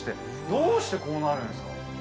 どうしてこうなるんですか？